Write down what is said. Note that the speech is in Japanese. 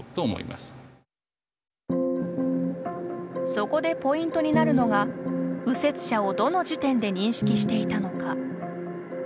そこでポイントになるのが右折車をどの時点で認識していたのか。